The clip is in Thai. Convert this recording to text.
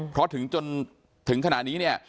เพราะถึงจนถึงขณะนี้เนี่ย